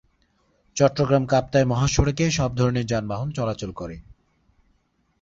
চট্টগ্রাম-কাপ্তাই মহাসড়কে সব ধরনের যানবাহন চলাচল করে।